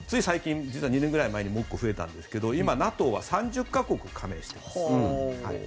最近、実は２年ぐらい前にもう１個増えたんですが今、ＮＡＴＯは３０か国加盟しています。